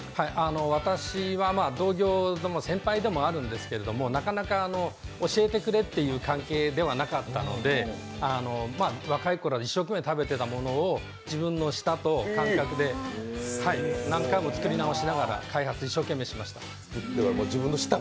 私は同郷の先輩でもあるんですけど、なかなか教えてくれっていう関係でもなかったので若いころ、一生懸命食べていたものを、自分の舌と感覚で何回も作り直しながら開発しました。